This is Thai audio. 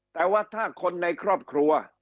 แต่ว่าถ้าคนในครอบครัว